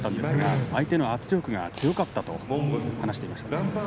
しかし相手の圧力が強かったと話していました。